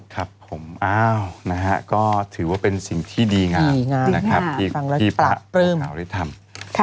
ครับผมอ้าวนะฮะก็ถือว่าเป็นสิ่งที่ดีงานที่พระขาวได้ทำ